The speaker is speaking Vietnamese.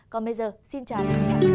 còn bây giờ xin chào